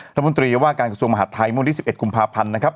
ตัวมันตรีว่าการกระทรวงมหาดไทยมุมที่๑๑คุมภาพันธ์นะครับ